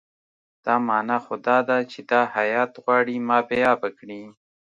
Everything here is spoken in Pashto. دا معنی خو دا ده چې دا هیات غواړي ما بې آبه کړي.